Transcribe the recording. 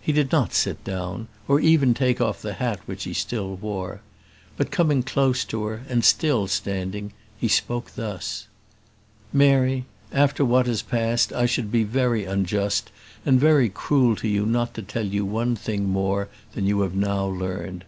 He did not sit down, or even take off the hat which he still wore; but coming close to her, and still standing, he spoke thus: "Mary, after what has passed I should be very unjust and very cruel to you not to tell you one thing more than you have now learned.